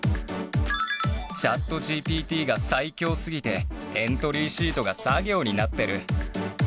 ＣｈａｔＧＰＴが最強すぎて、エントリーシートが作業になってる。